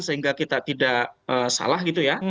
sehingga kita tidak salah